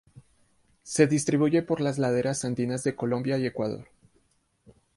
Se distribuye por las laderas andinas de Colombia y Ecuador.